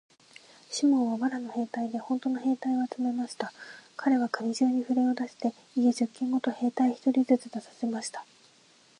シモンは藁の兵隊でほんとの兵隊を集めました。かれは国中にふれを出して、家十軒ごとに兵隊一人ずつ出させました。